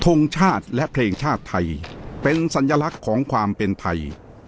ทรงชาติและเพลงชาติไทยเป็นสัญลักษณ์ของความเป็นไทย